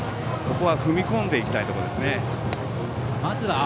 ここは踏み込んでいきたいところですね。